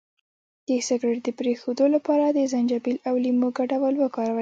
د سګرټ د پرېښودو لپاره د زنجبیل او لیمو ګډول وکاروئ